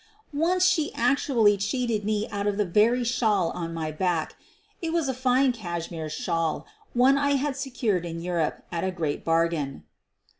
Once she actually cheated me out of the very shawl on my back. It was a fine cashmere shawl — one I had secured in Europe at a great bargain.